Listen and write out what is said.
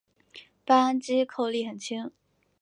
扳机扣力很轻。